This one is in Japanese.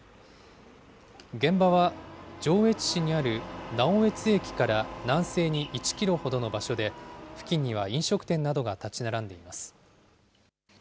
現場は上越市にある直江津駅から南西に１キロほどの場所で、付近には飲食店などが建ち並んでいます。